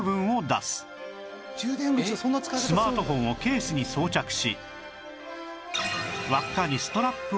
スマートフォンをケースに装着し